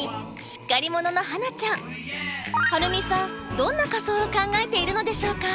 どんな仮装を考えているのでしょうか？